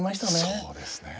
そうですね。